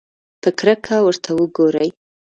په کرکه ورته وګوري.